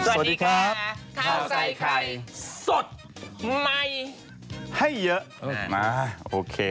สวัสดีครับข้าวใส่ไข่สดใหม่ให้เยอะมาโอเค